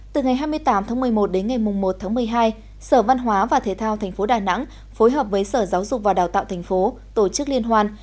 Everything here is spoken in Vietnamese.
từ ngày hai mươi tám tháng một mươi một đến ngày một tháng một mươi hai sở văn hóa và thể thao tp đà nẵng phối hợp với sở giáo dục và đào tạo tp tổ chức liên hoan